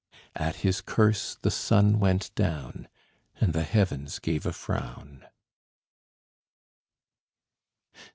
At his curse the sun went down, And the heavens gave a frown.